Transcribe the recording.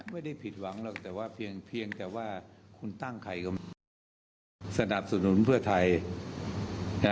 ไม่ได้ผิดหวังหรอกแต่ว่าเพียงแต่ว่าคุณตั้งใครก็สนับสนุนเพื่อไทย